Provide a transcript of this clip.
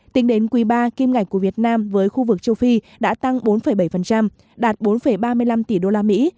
tính đến quý ba kim ngạch của việt nam với khu vực châu phi đã tăng bốn bảy đạt bốn ba mươi năm tỷ đô la mỹ